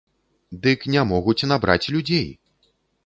Дык не могуць набраць людзей!